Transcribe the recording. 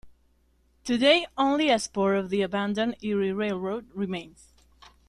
Today, only a spur of the abandoned Erie Railroad remains.